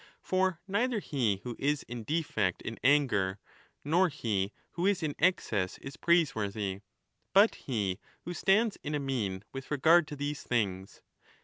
For neither he who is in defect in anger nor he who is in excess is praiseworthy, but he who stands in a mean with regard to these things.